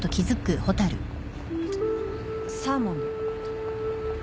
サーモンで。